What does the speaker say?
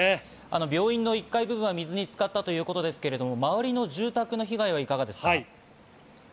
病院の１階部分は水につかったということですが、周りの住宅はいかがですか？